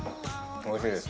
おいしいです。